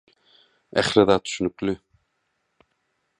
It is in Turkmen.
Ähli zat düşnükli.